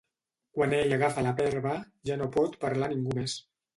Quan ell agafa la verba, ja no pot parlar ningú més.